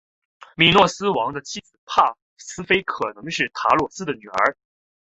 米诺斯王的妻子帕斯菲可能是塔罗斯的女儿。